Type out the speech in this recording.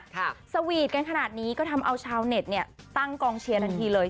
สวีทกันขนาดนี้ก็ทำเอาชาวเน็ตเนี่ยตั้งกองเชียร์ทันทีเลย